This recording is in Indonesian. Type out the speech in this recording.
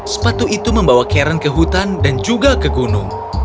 sepatu itu membawa karen ke hutan dan juga ke gunung